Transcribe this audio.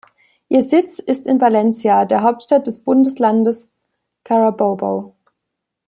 Ihr Sitz ist in Valencia, der Hauptstadt des Bundeslandes Carabobo.